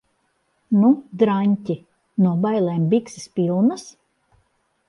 Nu, draņķi? No bailēm bikses pilnas?